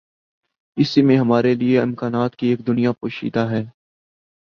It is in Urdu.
اسی میں ہمارے لیے امکانات کی ایک دنیا پوشیدہ ہے۔